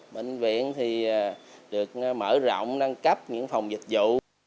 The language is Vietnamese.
bệnh viện thì được mở rộng nâng cấp những phòng dịch vụ